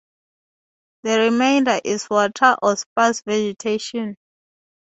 The remainder is water or sparse vegetation.